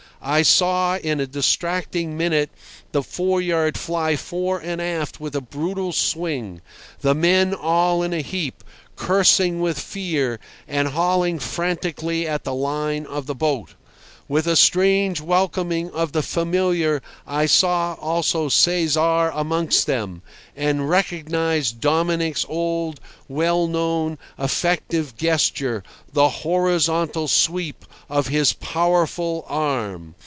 I saw in a distracting minute the foreyard fly fore and aft with a brutal swing, the men all in a heap, cursing with fear, and hauling frantically at the line of the boat. With a strange welcoming of the familiar I saw also Cesar amongst them, and recognised Dominic's old, well known, effective gesture, the horizontal sweep of his powerful arm.